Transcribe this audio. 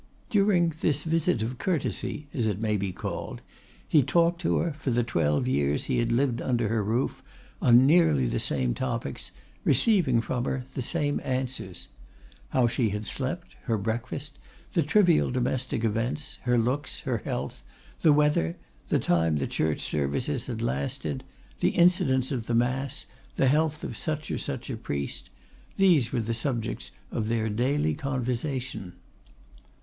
During this visit of courtesy, as it may be called, he talked to her, for the twelve years he had lived under her roof, on nearly the same topics, receiving from her the same answers. How she had slept, her breakfast, the trivial domestic events, her looks, her health, the weather, the time the church services had lasted, the incidents of the mass, the health of such or such a priest, these were the subjects of their daily conversation.